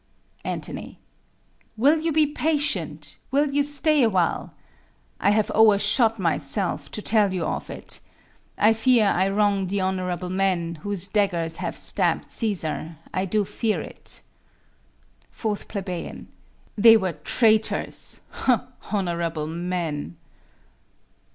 Ant. Will you be patient? Will you stay awhile? I have o'ershot myself, to tell you of it. I fear I wrong the honorable men Whose daggers have stab'd Cæsar; I do fear it. 4 Ple. They were traitors: Honorable men!